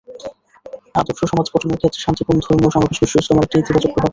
আদর্শ সমাজ গঠনের ক্ষেত্রে শান্তিপূর্ণ ধর্মীয় সমাবেশ বিশ্ব ইজতেমার একটি ইতিবাচক প্রভাব রয়েছে।